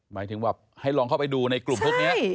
หมายถึงแบบให้ลองเข้าไปดูในกลุ่มพวกนี้